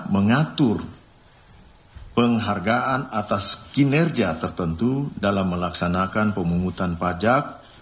mengatur penghargaan atas kinerja tertentu dalam melaksanakan pemungutan pajak